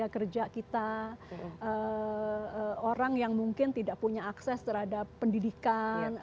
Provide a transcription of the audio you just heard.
kerja kita orang yang mungkin tidak punya akses terhadap pendidikan